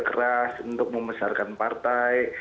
keras untuk membesarkan partai